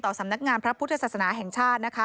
สำนักงานพระพุทธศาสนาแห่งชาตินะคะ